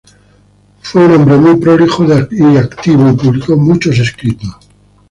Fue un hombre muy prolijo y activo, y publicó muchos escritos.